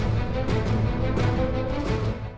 มือ